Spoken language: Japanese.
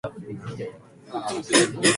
こんごしゃかい